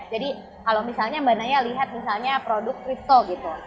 jadi kalau misalnya mbak naya lihat misalnya produk crypto gitu